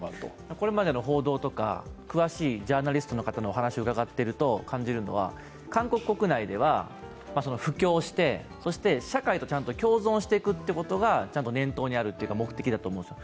これまでの報道とか詳しいジャーナリストの方のお話を伺っていると感じるのは、韓国国内では布教して社会とちゃんと共存していくことが念頭にあるというか、目的だと思うんです。